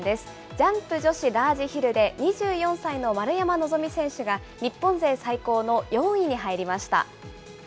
ジャンプ女子ラージヒルで、２４歳の丸山希選手が、日本勢最高の４位に入りました。